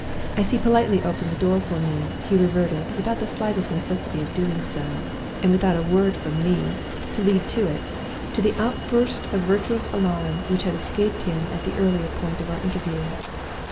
As he politely opened the door for me, he reverted, without the slightest necessity for doing so, and without a word from me to lead to it, to the outburst of virtuous alarm which had escaped him at the earlier part of our interview.